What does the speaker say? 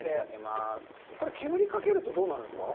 これ、煙をかけると、どうなるんですか。